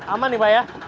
aman nih pak ya